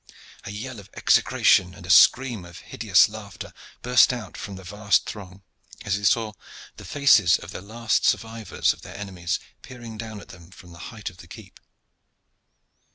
A yell of execration and a scream of hideous laughter burst from the vast throng, as they saw the faces of the last survivors of their enemies peering down at them from the height of the keep.